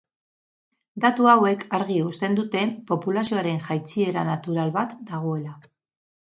Datu hauek argi uzten dute populazioaren jaitsiera natural bat dagoela.